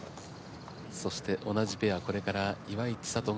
そして同じペアこれから岩井千怜が。